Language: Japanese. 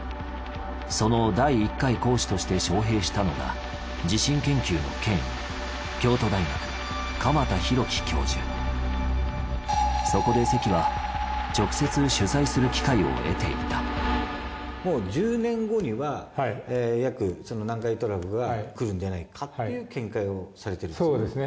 その第１回講師として招へいしたのが地震研究の権威そこで関は直接取材する機会を得ていたもう１０年後にはその南海トラフがくるんじゃないかっていう見解をされているんですよね。